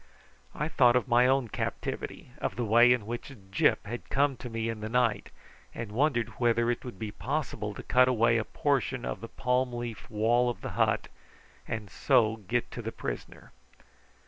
I thought of my own captivity of the way in which Gyp had come to me in the night, and wondered whether it would be possible to cut away a portion of the palm leaf wall of the hut, and so get to the prisoner.